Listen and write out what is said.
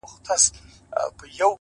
هوډ د نیمې لارې ستړیا ماتوي,